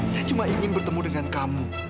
saya cuma ingin bertemu dengan kamu